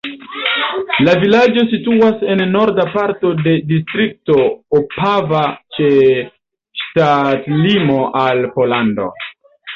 La vilaĝo situas en norda parto de distrikto Opava ĉe ŝtatlimo al Pollando.